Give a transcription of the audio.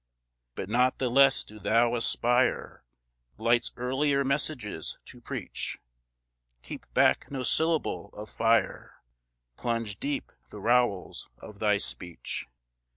But not the less do thou aspire Light's earlier messages to preach; Keep back no syllable of fire, Plunge deep the rowels of thy speech.